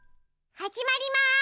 はじまります！